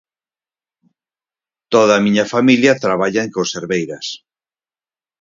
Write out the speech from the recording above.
_Toda a miña familia traballa en conserveiras.